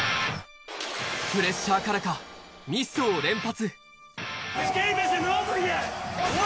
プレッシャーからかミスを連発。